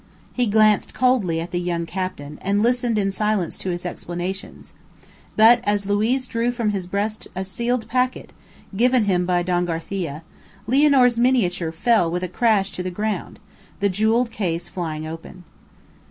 He glanced coldly at the young captain, and listened in silence to his explanations; but, as Luiz drew from his breast a sealed packet, given him by Don Garcia, Lianor's miniature fell with a crash to the ground, the jeweled case flying open.